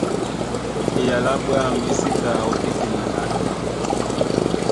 Eyala á ɓwâm é sí ta ótétena ɓato.